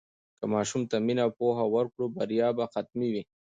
که ماشوم ته مینه او پوهه ورکړو، بریا به حتمي وي.